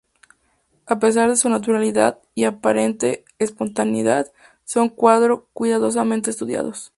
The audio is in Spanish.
A pesar de su naturalidad y aparente espontaneidad, son cuadros cuidadosamente estudiados.